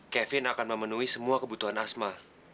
kevin akan memenuhi semua kebutuhan asma